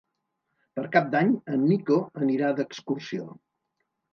Per Cap d'Any en Nico anirà d'excursió.